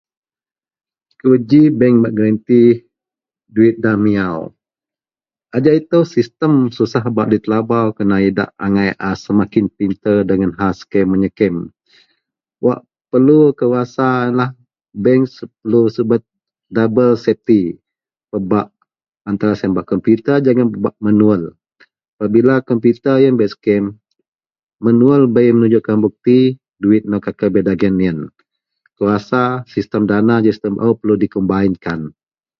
kuji bank bak gerenti duwit da miaw, ajau itou system susah bak ditelabau kerna idak agai a semakin pinter dagen hal scam meyecam, wak perlu kou rasa ienlah bank perlu subet double safety pebak antara siyen pebak komputer jegum pebak menuwal, bila komputer ien buyak scam manuwal bei menunjukkan bukti duwit inou kakel bei dagen ien, akou rasa sistem dana dan baau perlu dikombainkan